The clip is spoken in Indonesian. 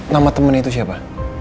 nama temen itu siapa